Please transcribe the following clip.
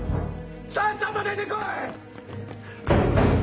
・さっさと出てこい！